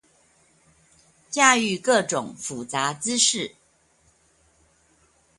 駕馭各種複雜知識